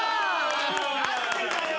何でだよ。